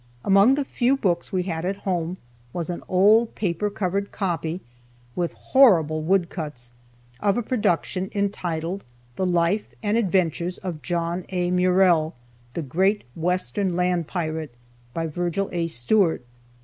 Among the few books we had at home was an old paper covered copy, with horrible wood cuts, of a production entitled, "The Life and Adventures of John A. Murrell, the Great Western Land Pirate," by Virgil A. Stewart.